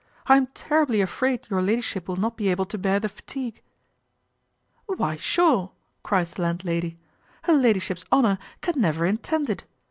I am terribly afraid your ladyship will not be able to bear the fatigue." "Why sure," cries the landlady, "her ladyship's honour can never intend it.